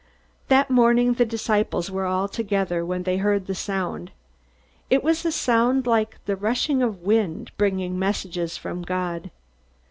That morning the disciples were all together when they heard the sound. It was a sound like the rushing wind, bringing messages from God.